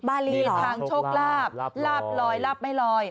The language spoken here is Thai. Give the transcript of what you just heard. บารีทางโชคลาภลาบลอยลาบไม่ลอย